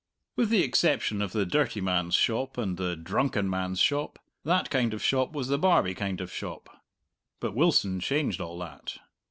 With the exception of the dirty man's shop and the drunken man's shop, that kind of shop was the Barbie kind of shop. But Wilson changed all that.